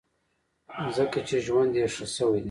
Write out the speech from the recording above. ځکه چې ژوند یې ښه شوی دی.